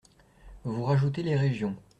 Vous rajoutez les régions.